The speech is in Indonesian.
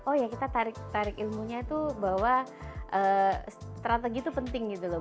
oh ya kita tarik ilmunya tuh bahwa strategi itu penting gitu loh